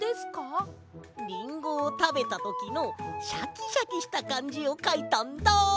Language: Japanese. リンゴをたべたときのシャキシャキしたかんじをかいたんだ！